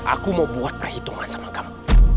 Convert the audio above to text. aku mau buat perhitungan sama kamu